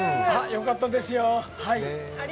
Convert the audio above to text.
よかったですよ。